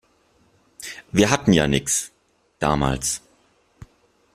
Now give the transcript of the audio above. Wir hatten ja nix, damals.